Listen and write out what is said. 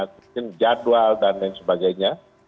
mungkin jadwal dan lain sebagainya